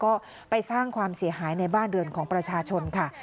ก็ไปสร้างความเสียหายในบ้านเรือนของประชาชนค่ะ